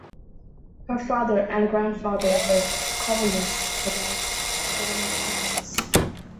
Her father and grandfather were commoners without government offices.